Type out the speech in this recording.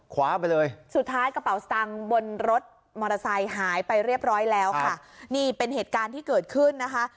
ไปเลยสุดท้ายกระเป๋าสตางค์บนรถมอเตอร์ไซค์หายไปเรียบร้อยแล้วค่ะนี่เป็นเหตุการณ์ที่เกิดขึ้นนะคะ